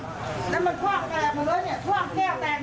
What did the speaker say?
แล้วมันคว่างแตกมาเลยเนี่ยคว่างแก้วแตกอย่างนั้นเนี่ย